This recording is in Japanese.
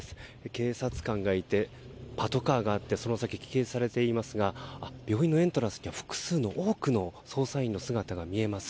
警察官がいてパトカーがあってその先、規制されていますが病院のエントランス複数の多くの捜査員の姿が見えます。